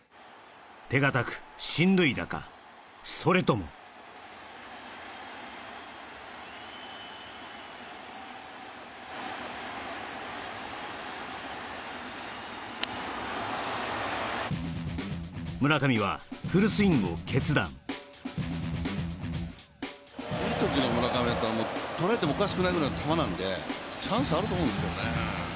手堅く進塁打かそれとも村上はフルスイングを決断いいときの村上だったら捉えてもおかしくないぐらいの球なんでチャンスあると思うんですけどね